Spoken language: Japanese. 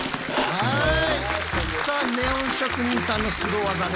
はい。